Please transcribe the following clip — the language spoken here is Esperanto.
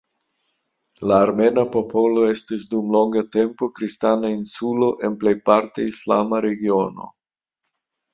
La armena popolo estis dum longa tempo, kristana "insulo" en plejparte islama regiono.